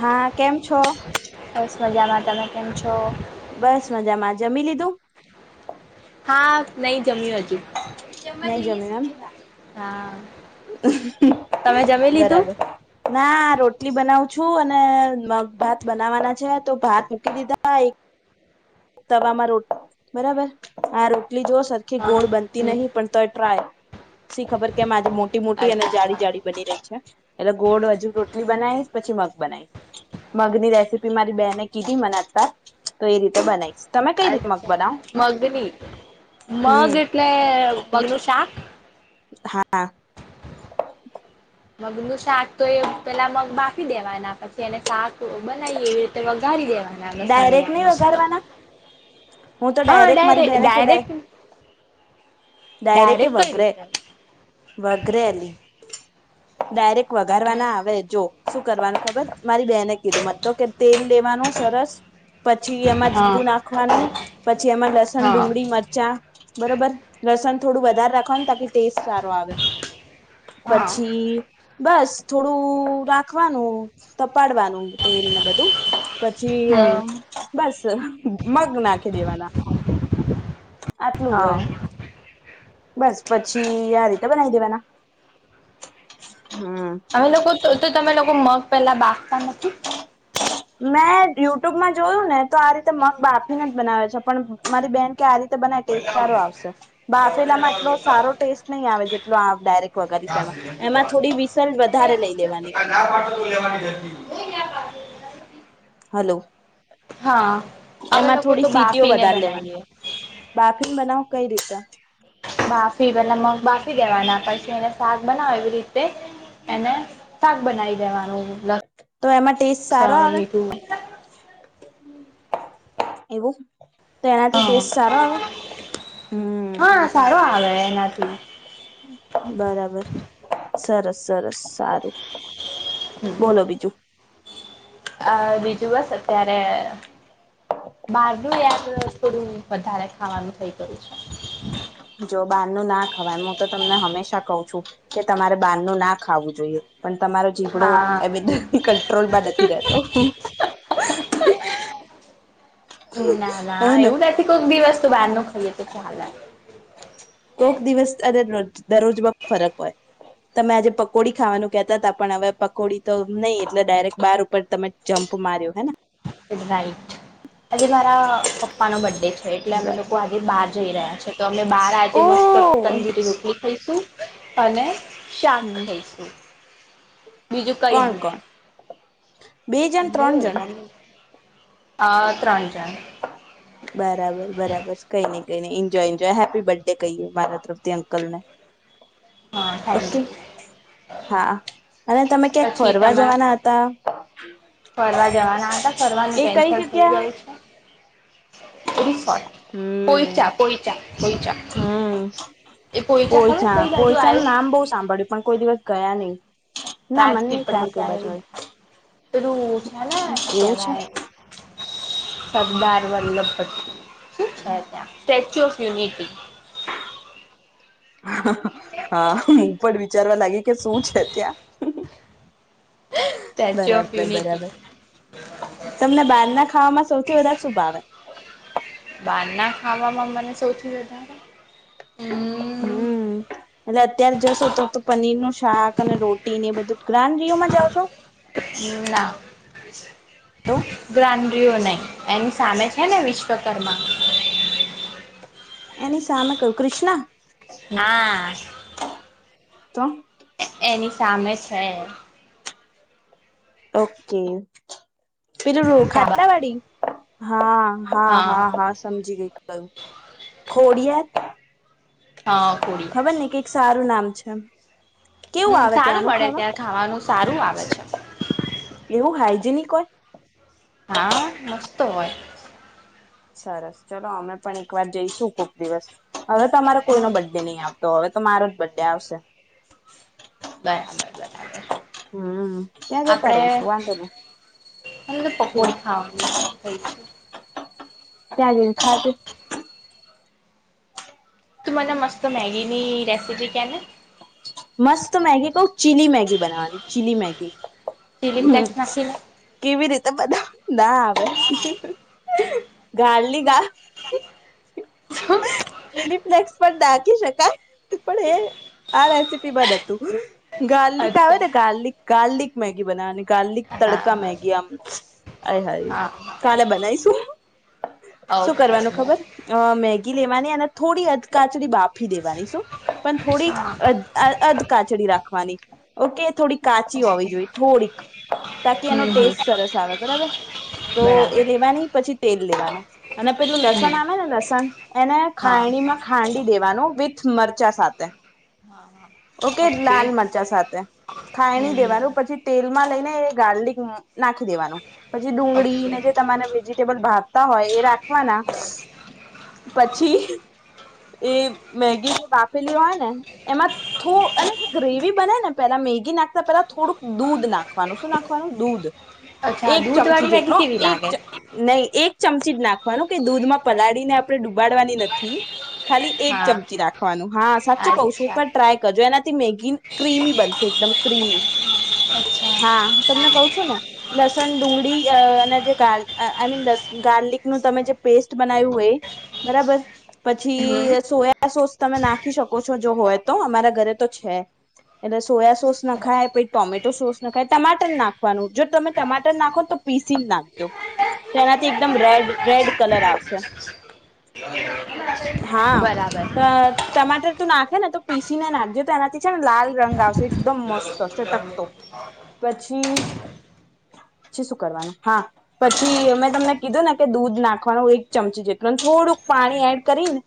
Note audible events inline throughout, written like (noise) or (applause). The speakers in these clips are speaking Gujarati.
હા કેમ છો તેમમ છો બસ મજામાં જમી લીધું હા નહી જમ્યું હજુ જમવા નહી જમ્યું જઈએ હા તમે જમી લીધું? બરાબર ના રોટલી બનાવ છું અને મગ ભાત બનાવાના છે તો ભાત મૂકી દીધા એક તવામાં રોટ બરાબર આ રોટી એટલી જો સરખી હા. ગોળ બનતી હમ, નહીં પણ તો એ ટ્રાય સી ખબર કે માજે મો મોટી મોટી અને અચ્છા જાડીી જાળી બની રહી છે એટલે ગોળ હજુ રોટલી બનાવીશ પછી મગ બનાવીશ મગ ની રેસીપી મારી બેને કીધી મનાતા તો એ રી તો બનાય અચ્છા મગની મગ હમ એટલે મગ નું શાક હા મગનુંું શાક તો એ પેલા મગ બાફી દેવા એના પછી અને શાક બનાવી એવી રીતેગ ડાયરેક્ટ નહી વઘારવાના? હું તો હા ડાયરેક્ટ ડાયરે મારી બેહેને કેડે ડાયરેક્ટ ડાયરેક્ટ કે કઈ વઘરે રીતે? વઘરે અલી ડાયરેક્ટ વઘારવા ના આવે. જો શું કરવાનું ખબર મારી બેને કીધું મત તો કે તેલ લેવાનું સરસ પછી એમાં હા જીરું નાખવાનું. પછી એમાં લસણ, હા ડુંગળી, મરચા બરોબર લસણ થડું વધારે રાખવાનું તાકી ટેસ્ટ સારો આવે. હા પછી બસ થોડું રાખવાનું તપાડવાનું તેલ ને બધું પછી હમ અમ બસ મગ નાખી દેવાના. આટલું જ હોય. હા બસ પછી આ રીતે બનાવી દેવાના હમ અમે લોકો તરતજ તમે લોકો મગ પેલા બાફતા નથી? મેં ડુયુટ્યુબમાં જોયું ને તો આ રીત તો મગ બાફીને જ બનાવે છે. પણ મારી બેન કે આ રીતે બના ટેસ્ટ સારો આવશે. બાફેલામાં એટલો સારો ટેસ્ટ નહી આવે જેટલો આમ ડાયરેક્ટ વગારીશ એમાં. એમાં થોડી વિસલ વધારે લઈ લેવાની. હલો. હા. અમે એમાં લોકો થોડી તો સીટીઓ બાફીને વધારે લેવાની. બનાવીએ બાફીને બનાવ કઈ રીતે? બાફી પેલા મગ બાફી દેવાના. પછી એને શાક બનાવો એવી રીતે એને શાક બનાવી દેવાનું. તો એમાં ટેસ્ટ સારો લસણ આવે? મીઠું એવું? તો એનાથી હા ટેસ્ટ સારો આવે? હમ્મ હા સારો આવે એનાથી બરાબર. સરસ સરસ. સારું. બોલો બીજું આ બીજું બસ અત્યારે બારનું યાર થોડું વધારે ખાવાનું થઇ ગયું છે. જો બારનું ના ખવાય. હું તો તમને હંમેશા કહુ છું. કે તમારે બારનું ના ખાવું જોઈએ. પણ તમારો છે જીભડુ હા એબીતે કંટ્રોલમાં નથી રહેતો. ના ના. હે ને એવું નથી કોક દિવસ તો બહાર ન ખાઈએે તો ચાલે. દરરોજ મા ફરક હોય. તમે આજે પકોડી ખાવાનું કેહતા હતા, પણ હવે પકોડી તો નહી એટલે ડાયરેક્ટ બાર ઉપર તમે જમ્પ માર્યો હેને. રાઈટ. આજે મારા પપ્પા નો બર્થડે છે. એટલે અમે લોકો આજે બહાર જઈ રહ્યા છે. તો અને બહાર આજે ઓ મસ્ત તંદૂરી રોટી કરીશું અને શાક હમ ખાઈશું. બીજું કઈ જ કોણ નહી. કોણ બે જણ ત્રણ જણ? હા ત્રણ જણ. કને enjoy enjoy happy birthday કહીએ મારા તરફથી અંકલ ને. હા થેન્ક ઓકે હા. અને તમે યુ ક્યાંક પછી ફરવા તમે જવાના હતા ફરવા જવાના હતા ફરવાનું એ કઈ કેન્સલ થઈ જગ્યા? ગયું છે રિસોર્ટ હમ પોઈચા પોઈચા પોઈચા હમ એ પોઈચા ખબર પોયછા કઈ બાજુ પોયછા ન આવ્યું નામ બહ સાંભળ્યું પણ કોઈ દિવસ ગયા નઈ. રાજપીપળા સાઈડ રુછ હલા શું એવું છે કેવાય સરદાર વલ્લભ પટેલ શું છે ત્યાં સ્ટેચ્યુ ઓફ યુનિટી. હા હું પણ ચરવા લાગી કે શું છે ત્યાં? સ્ટેચ્યુ ઓફ બરાબર યુનિટી બરાબર તમને બાર ના ખાવામાં સૌથી વધારે શુભાવે? બહારના ખાવામાં મને સૌથી વધારે હમ હમ એટલે અત્યારે જશો તો તો પનીર નું શાક અને રોટી ને એ બધું ગ્રાન્ રઓમાં જાાવ છો. પગીના. તો ગની. એું નહી એની સામે છે ને વિશ્વકર્મા. એની સામે કું કૃિષ્ણા. હા. તો. એની સામે છે. ઓકે. પલડું ધાબા ખાતલા વાડી. હા. હા હા હા સમજી ગય કયું ખોડ. હા ખોડી ખબર નઈ કઈ સારું નામ. અચ્છા. કેવું હમ આવે સારું ત્યાંનું મળે ખાવા ત્યાં ખાવાનું સારું આવે છે એવું હાઈજનિક. કોઈ. હા મસ્તો હોય. સરસ ચલો અમે પણ એક વાર જઈશું ખુક દિવસ. હવે તો અમારો કોઈ હા ન બડ્ડે નહીં આપ. તો હવે તો મારો જ બડ ડે આવશે. બરાબર બરાબર. હમ ત્યાં જતા આપડે રહીશું વાંધોને. હો છે. ત્યાં દ ખાતું. તું મને મસ્ત મેગીની રેસિપી ક ને. મસ્ત મેગી કહઉ ચીલી મેગી બનાવાની ચીલી મેગી હ ચીલી ફ્લેક્સ નાખીને. કેવી રીતે બધ ના આવે. ગાડલી ગા. હ. ચીલી ફ્લેક્સ પર ડાકીી શકાય પણ એ આ રેસીપી. પીબદું. ગાર્લિક આવે અચ્છા. ને ગાર્લિક ગાર્લિક. મેગી બનાની. ગાર્લિક હા તડકા મેગી આમ હ હા હા ઓકે કાલે બનાવીશું હા. શું ઓકે કરવાનું ખબર મેગી. લેવાની અને થોડી અધ કાચડી બા. આપી દેવાની શું પણ હમ થોડીક. અધ કાચડી રાખવા. ની ઓકે થોડી. કાચી હોવી જોઈએ થોડીક તાકી એનો હમ ટેસ્ટ સરસ આવે બરાબર તો બરાબર એ લેવાની પછી તેલ લેવાનું અને પેલું લસણ હમ આવે ને લસણ એને હા ખાંણી માં ખાંડી દેવાનું. વિથ મરચા સાથે. ઓકે લાલ મરચા સાથે ખાઈણી હમ દેવાનું હમ પછી તેલ માં લઈને એ એ ગાર્લિક નાખી દેવાનું પછી ઓકે ડુંગળીને જે તમારે વેજીિટેબલ ભવતા હોય એ રાખવાના પછી એ મેગી બાફેલી હોય ને એમાં થો અને જે ગ્રેવી બને ને પેલા મેગી નાખતા પેલા થોડુંક દૂધ નાખવાનું શું નાખવાનું દૂધ. અચ્છા એક દૂધ ચમચી વાળી મેગી જેટલો કેવી એક લાગે ચ નહી એક ચમચી જ નાખવાનું કે દૂધમાં પલાળીને આપણે ડુબાડવાની નથી. ખાલી એક હા ચમચી રાખવાનું હા સાચું કઉ છું એક અચ્છા વાર ટ્રાય કરજો એનાથી મેગી ક્રીમી બનશે એકદમ ક્રીમી અચ્છા હા તમને કહું છું ને લસણ ડુંગળી અને જે ગા આઈ મીન લસ ગાર્લિક નું તમે જે પેસ્ટ બનાવ્યું હોય બરાબર. હમ પછી સોયા સોસ. તમે નાખી શકો છો જો હોય. તો અમારા ઘરે તો છે એટલે સોયા સોસ ના ખાય પ ટોમેટો સોસ નાખાય ટમાટર નાખવાનું જો તમે ટમાટર નાખો તો પીસી નાખજો. તો એનાથી એકદમ રેડ રેડ કલર આવશે હા બરાબર તો ટમાટર તું નાખ હે તો. પીસીને નાખજો તો એનાથી છે ને લાલ રંગ આવશે એકદમ મસ્ત તોશે ટકતો પછી. પછી શું કરવાનું હા પછી મેમે તમને કીધું ને કે દૂધ નાખવાનું એક ચમચી જેટલું થોડુંક પાણી એડ કરી ને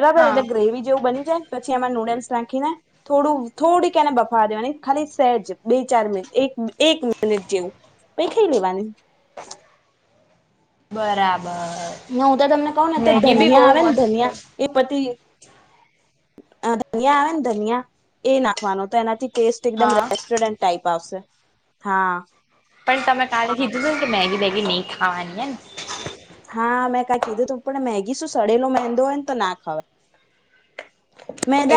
બરાબર હા એટલે ગ્રેવી જેવું બની જાય પછી એમાં નૂડલ્સ રાખીને થોડું થોડીકને બફવા દેવાની ખાલી સેજ બે ચાર મિનિટ એક મિનિટ જેવું પહી ખઈ લેવાનું. બરાબર. હ હું તો તમને કહું ને તો મેગી બી બહુ ધનિયા આવે ને મસ્ત ધનિયા એ પતિ ધનિયા આવેને ધનિયા એ નાખવાનો તો એનાથી ટેસ્ટ એકદમ હા રેસ્ટોરન્ટ ટાઈપ આવશે. હા. પણ તમે કાલે કીધું તું ને કે મેગી બેગી નહી ખાવાની હેને હા મેં કાઈ કીધું તું પણ મેગી શું સડેલો મેંદો હોય ને તો ના ખાવ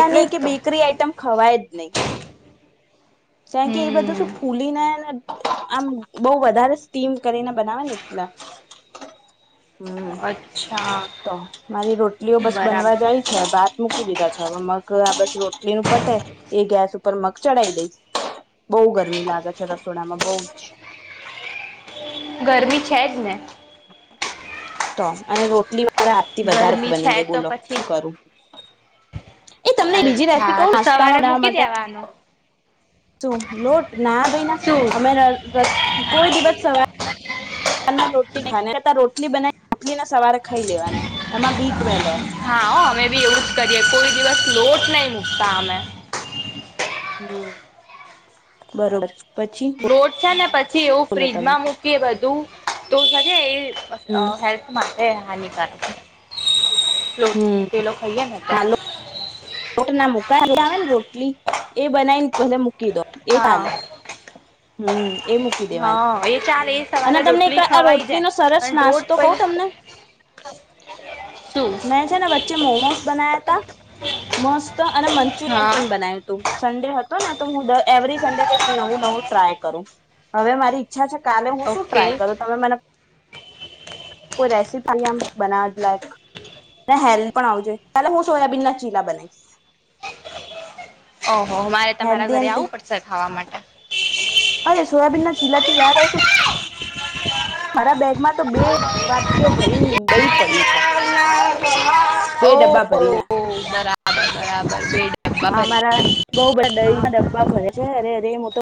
એટલે કે જ તો બેકરી આઈટમ ખવાય જ નહિ. કારણ કે એ બધું હમ શું ફૂલીને આમ બહ વધારે સ્ટીમ કરીને બનાવે ને એટલા. હમ અચ્છા તો મારી રોટલીઓ બસ બનવા બરાબર જાય છે ભાત મૂકી દીધા છે હવે મગ આ બસ રોટલીનું પતે એ ગેસ ઉપર મગ ચઢાવ દઈશ. બહુ ગરમી લાગે છે રસોડામાં બહુ જ. ગરમી છે જ ને તો અને રોટલી મારે આજ થી વધારે ગરમી બની છે ગઈ તો બોલો પછી શું કરું એ તમને બીજી રેસીપી અચ્છા કઉ તો નાસ્તામાં સવારે બનાવા મૂકી માટે દેવાનો તું લોટ ના ભાઈ ના શું અમે (unintelligible) કોઈ દિવસ સવારે (unintelligible) રોટલી બનાવીને રોટલીને સવારે ખાઈ લેવાની એમાં બી ટ્વેલવ હોય હા હો અમે બી એવું જ કરીએ કોઈ દિવસ લોટ નહી મુક્તા અમે હમ બરોબર પછી લોટ છે ને પછી એવું બોલો તમે ફ્રીજમાં મૂકી બધું તો જે અ હમ હેલ્થ માટે હાનિકારક લોટ હમ પેલો ખાઈએ ને હા ત્યા લોટ ના મૂકાય (unintelligible) આવે ને રોટલી એ બનાવીને ભલે કી દો એ હા ચાલે હમ એ મૂકી દેવાની હા એ ચાલે એ અને સવારે તમને રોટલી એક આ ખવાઈ જાય રોટલીનો સરસ પણ રોજ નાસ્તો કઉ પછ તમને શું મેં છે ને વચ્ચે મોમોસ બનાયા તા મસ્ત અને મંચુરિયન હા પણ બનાય્યું હતું. સન્ડે હતો ને તો હું દ એવરી સન્ડે કઈક નવું નવું ટ્રાય કરું હવે મારી ઈચ્છા છે કાલે હું શું ઓકે ટ્રાય કરું તમે મને કોઈ રેસીપી આમ બનાવવા લાયક ને હેલ્થ પણ આવા જોવે એટલે હું સોયાબીન ના ચીલા બનાવીશ. ઓહો મારે તમારા હેલ્ધી ઘરે એમ તે. આવવું પડશે ખાવા માટે. અરે સોયાબીન ના ચીલાથી યાદ આવયુ કે મારા બેગમાં તો બે વાટકીઓ ભરીને દઈ પડ્યું છે. બે ઓ ડબ્બા ભરીને બરાબર બરાબર બે ડબ્બા હા મારા ભરીને બો બધા દહી ના ડબ્બા ભરે અરે અરે મો તો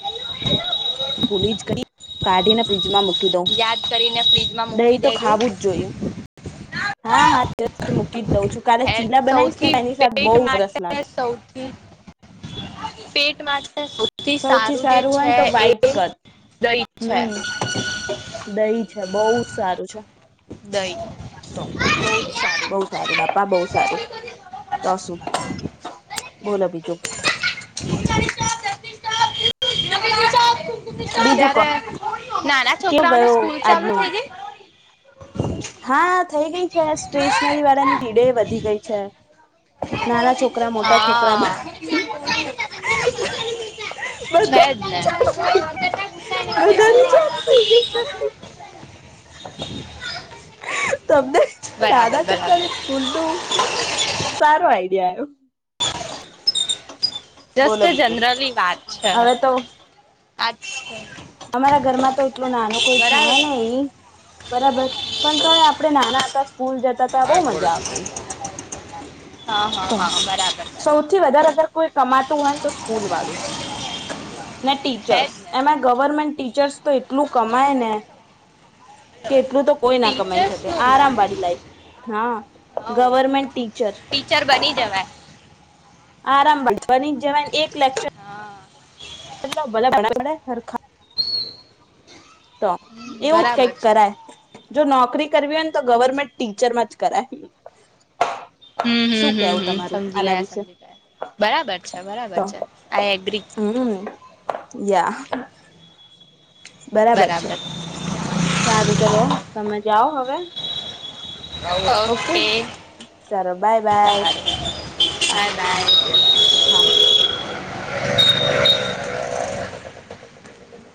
ભૂલી જ ગઈ કાઢીને ફ્રીજમાં મુૂકી મુકી દઉ યાદ કરીને ફ્રીજમાં મૂકી દહી તો દેજો ખાવું જ જોઈએ હા હા મૂકી જ દઉં છું કાલે હે ચીલા બનાવીશ ને સૌથી એની સાથે બહુ પેટ સરસ માટે લાગે. સૌથી પેટ માટે સૌથી જે સારું હોય ને છે તો એ વાઇટ કર દહી છે હમ દહી છે બહુ જ સારું છે. દહી તો બહુ જ બહ સારું બાપા બહ સારું તો શું બોલો બીજું (inaudible) બીજું કો ત્યારે નાના કેવો છોકરાઓને ગયો સ્કૂલ ચાલુ આજનો થઈ ગઇ હા થઈ ગઈ છે સ્ટેશનરી વાળાની ભીડે વધી ગઈ છે નાના છોકરા મોટા છોકરા બ હા હ હમ છે જને (inaudible) ગઈ બધાની ચાલ થઈ ગઈ છે. તમને બરાબર દાદા છોકરા બરાબર ને સ્કૂલનું સારું આઈડિયા આલું. (inaudible) જસ્ટ બોલો બીજું જનરલી વાત છે. હવે તો અચ્છા. અમારા ઘરમાં તો એટલું નાનું કોઈ છે બરાબર નહી બરાબર પણ તોયે આપણે નાના હતા સ્કૂલ જતા. બહુ મજા આવતી. (unintelligible) હા હા તો હા, બરાબર. સૌથી વધારે અગર કોઈ કમાતું હોય તો સ્કૂલવાળું ને છે ટીચર્સ જ ને તો એમાં ગવર્મેન્ટ ટીચર્સ તો એટલું કમાય ને કે એટલું તો કોઈ ના કમાઈ શકે ટીચર્સનું ને આરામ વાળી લાઈફ. હા, હઉ ગવર્મેન્ટ ટીચર. ટીચર બની જવાય આરામ (unintelligible) બની જવાની એક લેક્ચર. હા (unintelligible) તો, હમ એવું જ બરાબર કંઈક છે. કરાય. જો નોકરી કરવી હોય ને, તો ગવર્મેન્ટ ટીચરમાં જ કરાય. હમ હમ શું હમ કેવું હમ તમારું સમજી આના ગયા વિશે સમજી ગયા બરાબર છે, બરાબર તો છે આઈ એગ્રી. હમ (inaudible) બરાબર છે. સારું ચલો સમજ જાઓ હવે. ઓકે (unintelligible) ચાલો બાય બાય સારુ. હા હા બાય હા બાય. (inaudible)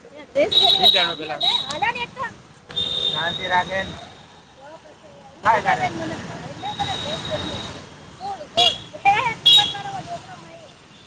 (unintelligible)